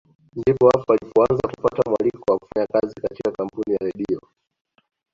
Ndipo hapo alipoanza kupata mwaliko wa kufanya kazi katika kampuni ya Redio